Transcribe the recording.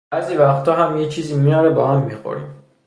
بعضی وقتا هم یه چیزی میاره با هم می خوریم،